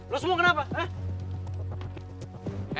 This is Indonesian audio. lo semua kenapa